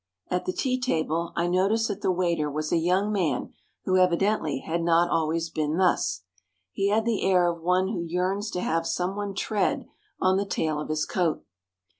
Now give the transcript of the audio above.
At the tea table I noticed that the waiter was a young man who evidently had not been always thus. He had the air of one who yearns to have some one tread on the tail of his coat.